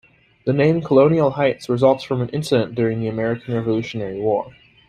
The name "Colonial Heights" results from an incident during the American Revolutionary War.